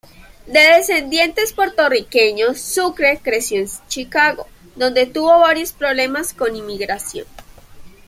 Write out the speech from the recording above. De descendientes puertorriqueños, Sucre creció en Chicago, donde tuvo varios problemas con inmigración.